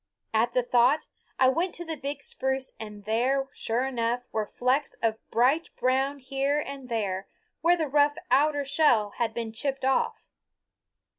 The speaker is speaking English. At the thought I went to the big spruce and there, sure enough, were flecks of bright brown here and there where the rough outer shell had been chipped off.